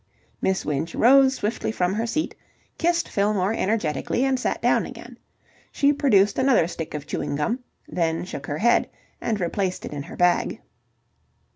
Miss Winch rose swiftly from her seat, kissed Fillmore energetically, and sat down again. She produced another stick of chewing gum, then shook her head and replaced it in her bag.